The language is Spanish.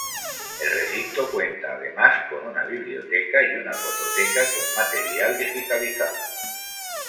El recinto cuenta además con una biblioteca y una fototeca con material digitalizado.